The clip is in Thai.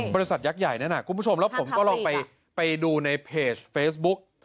บริษัทยักษ์ใหญ่นั้นคุณผู้ชมแล้วผมก็ลองไปดูในเพจเฟซบุ๊ก